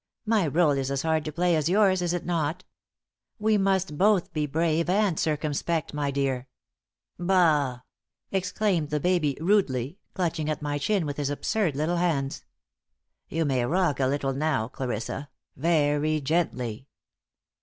"My role is as hard to play as yours, is it not? We must both be brave and circumspect, my dear." "Bah!" exclaimed the baby, rudely, clutching at my chin with his absurd little hands. "You may rock a little now, Clarissa, very gently.